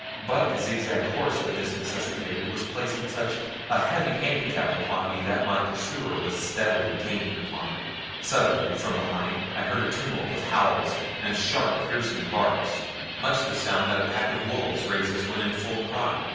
But the zigzag course that this necessitated was placing such a heavy handicap upon me that my pursuer was steadily gaining upon me. Suddenly from behind I heard a tumult of howls, and sharp, piercing barks much the sound that a pack of wolves raises when in full cry.